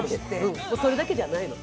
それだけじゃないの。